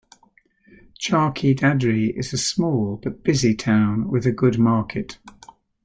Charkhi Dadri is a small but busy town with a good market.